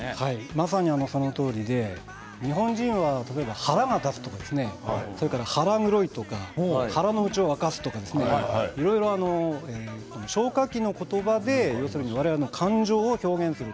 まさに、そのとおりで日本人は例えば腹が立つとか腹黒いとか腹のうちを明かすとかいろいろと消化器の言葉で感情を表現する。